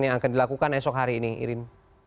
yang akan dilakukan esok hari ini irin